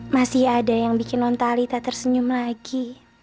masih ada yang bikin nontalita tersenyum lagi